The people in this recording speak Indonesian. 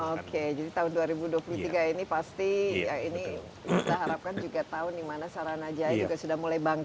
oke jadi tahun dua ribu dua puluh tiga ini pasti ya ini kita harapkan juga tahun di mana saranajaya juga sudah mulai bangkit